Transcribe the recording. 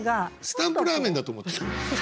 「スタンプラーメン」だと思っちゃう。